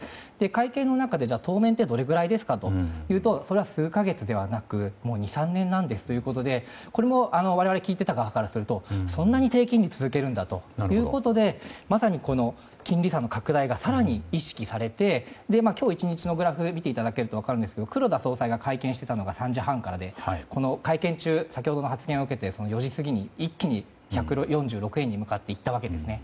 会見の中で当面ってどのぐらいですかというと数か月ではなく２３年なんですということでこれも我々、聞いていた側からするとそんなに低金利を続けるんだということで金利差の拡大が更に意識されて、今日１日のグラフを見ていただけると分かりますが黒田総裁が会見していたのは３時半からで会見中、先ほどの発言を受け４時過ぎに一気に１４６円に向けいったわけですね。